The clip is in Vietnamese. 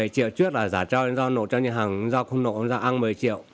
một mươi triệu trước là giả cho do nộ cho nhân hàng do không nộ do ăn một mươi triệu